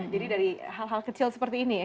jadi dari hal hal kecil seperti ini ya